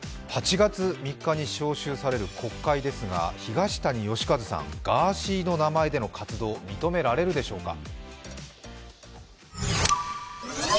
安８月３日に召集される国会ですが東谷義和さん、ガーシーでの名前での活動、認められるでしょうか。